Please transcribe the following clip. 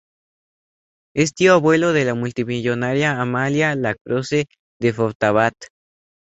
Es tío abuelo de la multimillonaria Amalia Lacroze de Fortabat.